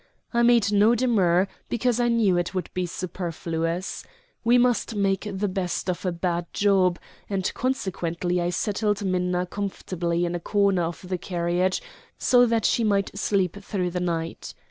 I made no demur, because I knew it would be superfluous. We must make the best of a bad job, and consequently I settled Minna comfortably in a corner of the carriage so that she might sleep through the night.